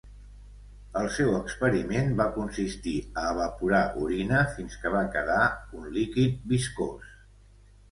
El seu experiment va consistir a evaporar orina fins que va quedar un líquid viscós.